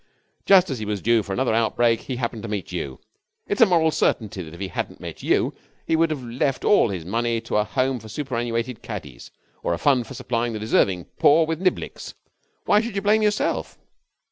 Just as he was due for another outbreak he happened to meet you. It's a moral certainty that if he hadn't met you he would have left all his money to a Home for Superannuated Caddies or a Fund for Supplying the Deserving Poor with Niblicks. Why should you blame yourself?'